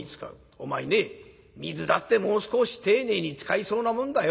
お前ね水だってもう少し丁寧に使いそうなもんだよ。